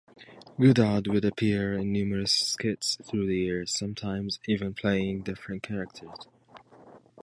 Goddard would appear in numerous skits through the years, sometimes even playing different characters.